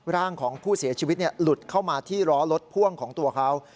ร่างของผู้เสียชีวิตหลุดเข้ามาที่ล้อรถพ่วงของตัวเขา